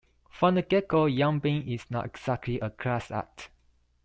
From the get-go, Young-bin is not exactly a class act.